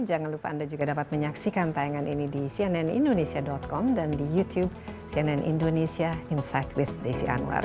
jangan lupa anda juga dapat menyaksikan tayangan ini di cnnindonesia com dan di youtube cnn indonesia insight with desi anwar